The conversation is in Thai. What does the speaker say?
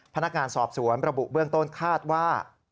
พนักงานสอบสวนระบุเบื้องต้นคาดว่า